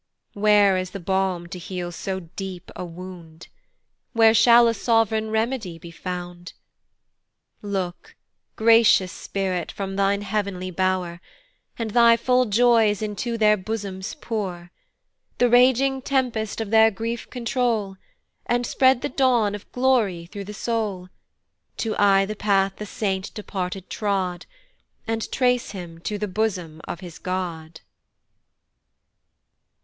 Where is the balm to heal so deep a wound? Where shall a sov'reign remedy be found? Look, gracious Spirit, from thine heav'nly bow'r, And thy full joys into their bosoms pour; The raging tempest of their grief control, And spread the dawn of glory through the soul, To eye the path the saint departed trod, And trace him to the bosom of his God.